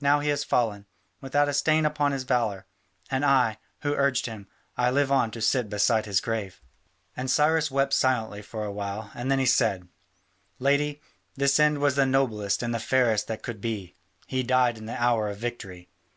Now he has fallen, without a stain upon his valour: and I, who urged him, I live on to sit beside his grave." And Cyrus wept silently for a while, and then he said: "Lady, his end was the noblest and the fairest that could be: he died in the hour of victory.